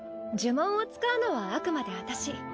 呪文を使うのはあくまで私。